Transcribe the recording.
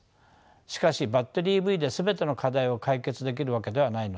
しかしバッテリーＥＶで全ての課題を解決できるわけではないのです。